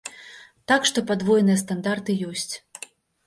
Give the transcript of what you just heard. Так што падвойныя стандарты ёсць.